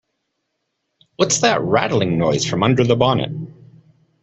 What's that rattling noise from under the bonnet?